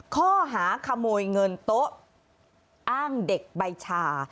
ข้อหาขโมยเงินโต๊ะอ้างเด็กใบชา